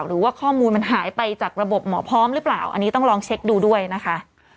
หรือว่าข้อมูลมันหายไปจากระบบหมอพร้อมหรือเปล่าอันนี้ต้องลองเช็คดูด้วยนะคะ